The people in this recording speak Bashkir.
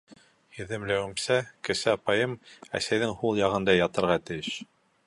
Һиҙемләүемсә, кесе апайым әсәйҙең һул яғында ятырға тейеш.